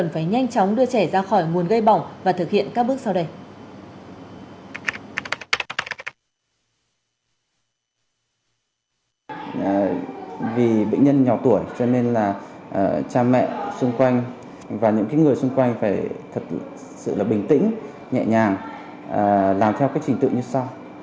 vì bệnh nhân nhỏ tuổi cho nên là cha mẹ xung quanh và những người xung quanh phải thật sự là bình tĩnh nhẹ nhàng làm theo các trình tự như sau